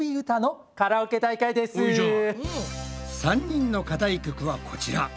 ３人の課題曲はこちら。